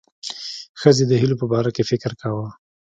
ښځې د هیلو په باره کې فکر کاوه.